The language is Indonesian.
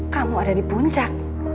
kamu ada di puncak